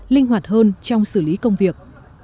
linh hoạt hơn trong xử lý công việc